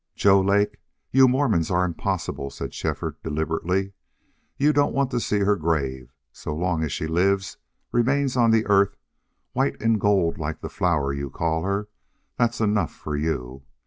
"Joe Lake, you Mormons are impossible," said Shefford, deliberately. "You don't want to see her grave. So long as she lives remains on the earth white and gold like the flower you call her, that's enough for you.